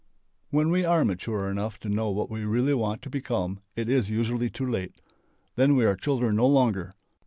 When we are mature enough to know what we really want to become it is usually too late. Then we are children no longer.